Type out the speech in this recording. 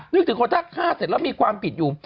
นึกถึงคนถ้าฆ่าเสร็จแล้วมีความผิดอยู่